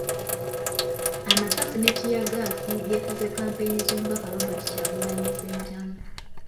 Amasasi ne ttiyaggaasi byefuze kampeyini z'Omubaka Robert Kyagulanyi Ssentamu.